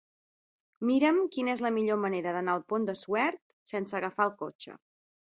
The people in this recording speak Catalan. Mira'm quina és la millor manera d'anar al Pont de Suert sense agafar el cotxe.